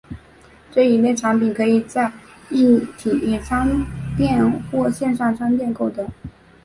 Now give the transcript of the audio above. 这一类产品可以在硬体商店或线上商店购得。